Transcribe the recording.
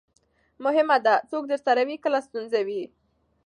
مهمه ده، څوک درسره وي کله ستونزه وي.